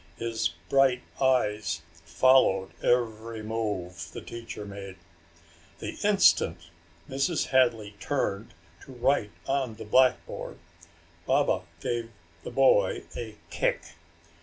His bright eyes followed every move the teacher made. The instant Mrs. Hadley turned to write on the blackboard Baba gave the boy a kick.